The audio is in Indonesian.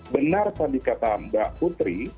benar tadi kata mbak putri